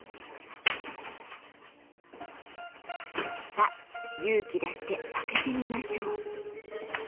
さあ勇気出して開けてみましょう。